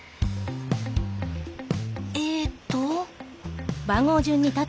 えっと。